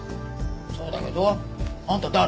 そうだけど。あんた誰？